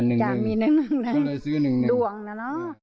ก็เลยซื้อ๑๑ดวงนะเนาะ